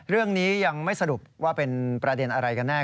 เรื่องนี้ยังไม่สรุปว่าเป็นประเด็นอะไรกันแน่